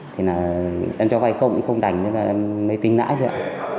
thế là em cho vai không không đành thế là em mới tính nãi thôi